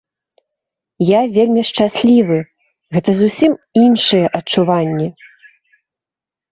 Я вельмі шчаслівы, гэта зусім іншыя адчуванні.